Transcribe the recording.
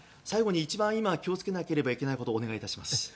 最後に一番今気を付けなければいけないことお願いします。